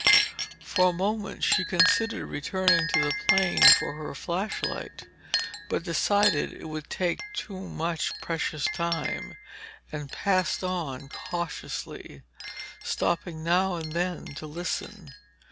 For a moment she considered returning to the plane for her flash light, but decided it would take too much precious time, and passed on cautiously, stopping now and then to listen.